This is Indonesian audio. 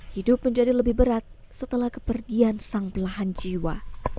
hidup menjadi lebih berat setelah kepergian sang belahan jiwa